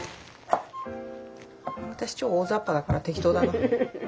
私超大ざっぱだから適当だな。